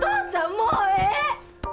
もうええ！